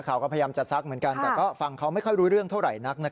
เขาก็พยายามจะซักเหมือนกันแต่ก็ฟังเขาไม่ค่อยรู้เรื่องเท่าไหร่นัก